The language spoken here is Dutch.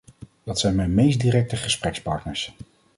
Dat zijn mijn meest directe gesprekspartners.